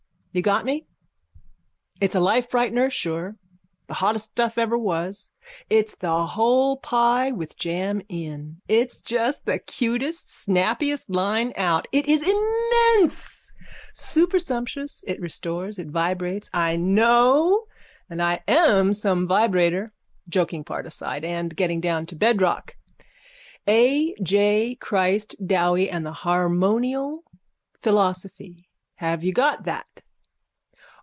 You got me? It's a lifebrightener, sure. The hottest stuff ever was. It's the whole pie with jam in. It's just the cutest snappiest line out. It is immense, supersumptuous. It restores. It vibrates. I know and I am some vibrator. Joking apart and, getting down to bedrock, A. J. Christ Dowie and the harmonial philosophy, have you got that?